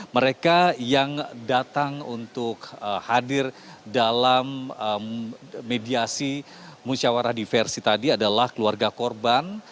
mereka yang datang untuk hadir dalam mediasi musyawarah diversi tadi adalah keluarga korban